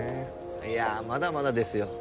いやまだまだですよ。